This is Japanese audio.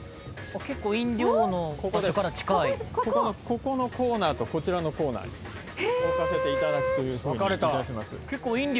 ここのコーナーとこちらのコーナーに置かせていただくというふうにいたします。